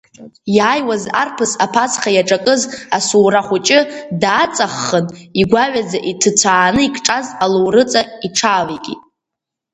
Иааиуаз арԥыс аԥацха иаҿакыз асура хәыҷы дааҵаххын, игәаҩаӡа иҭыцәааны икҿаз алоурыҵа иҽаавеикит.